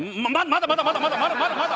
まだまだまだまだまだ！